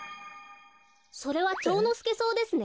それはチョウノスケソウですね。